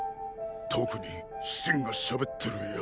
特に信がしゃべってる奴。